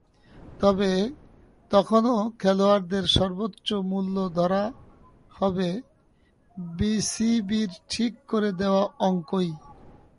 তবে তখনো খেলোয়াড়দের সর্বোচ্চ মূল্য ধরা হবে বিসিবির ঠিক করে দেওয়া অঙ্কই।